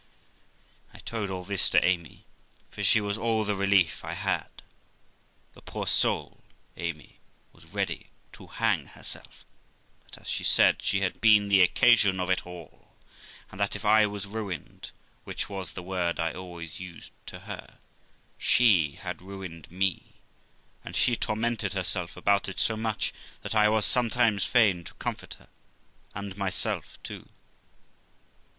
I told all this to Amy, for she was all the relief I had. The poor soul (Amy) was ready to hang herself, that, as she said, she had been the occasion of it all; and that if I was ruined (which was the word I always used to her), she had ruined me; and she tormented herself about it so much, that I was sometimes fain to comfort her and myself too.